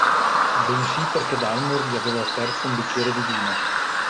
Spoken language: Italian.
Bensì perché Dalmor gli aveva offerto un bicchiere di vino.